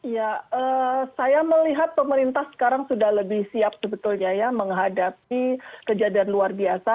ya saya melihat pemerintah sekarang sudah lebih siap sebetulnya ya menghadapi kejadian luar biasa